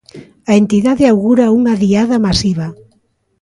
A entidade augura unha diada masiva.